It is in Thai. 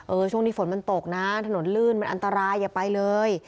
ช่วงนี้ฝนมันตกนะถนนลื่นมันอันตรายอย่าไปเลย